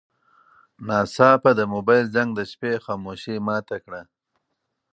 ناڅاپه د موبایل زنګ د شپې خاموشي ماته کړه.